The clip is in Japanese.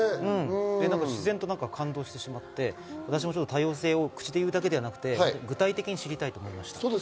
自然と感動してしまって、多様性を口で言うだけではなくて、具体的に知りたいと思いました。